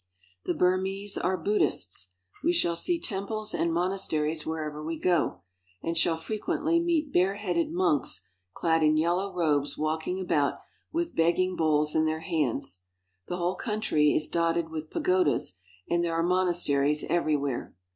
The Burmese are Buddhists. We shall see temples and monasteries wherever we go, and shall frequently meet bareheaded monks clad in yellow robes walking about with begging bowls in their hands. The whole country is dotted with pagodas, and there are monasteries everywhere.